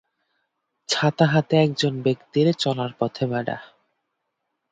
ছাতা হাতে একজন ব্যক্তির চলার পথে বেড়া।